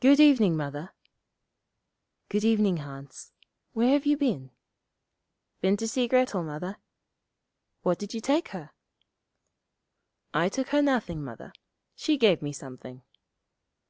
'Good evening, Mother.' 'Good evening, Hans. Where have you been?' 'Been to see Grettel, Mother.' 'What did you take her?' 'I took her nothing, Mother. She gave me something.'